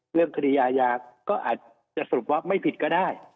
เรื่องคดีอาญาก็อาจจะสรุปว่าไม่ผิดก็ได้